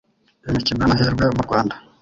imikino y amahirwe mu rwanda